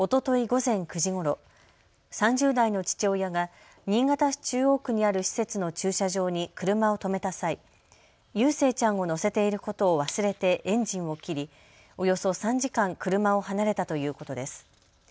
午前９時ごろ、３０代の父親が新潟市中央区にある施設の駐車場に車を止めた際、ゆう誠ちゃんを乗せていることを忘れてエンジンを切り、およそ３時間車を離れたということです。